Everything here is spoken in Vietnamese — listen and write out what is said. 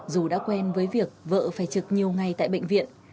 dù đã quen với việc vợ phải trực nhiều ngày tại bệnh viện